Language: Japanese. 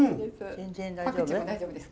全然大丈夫です。